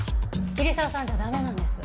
桐沢さんじゃ駄目なんです。